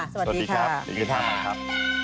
สวัสดีครับ